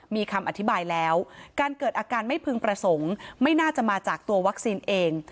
มีคำอธิบายแล้วการเกิดอาการไม่พึงประสงค์ไม่น่าจะมาจากตัววัคซีนเอง